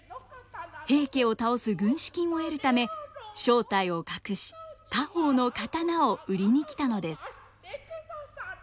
平家を倒す軍資金を得るため正体を隠し家宝の刀を売りに来たのです。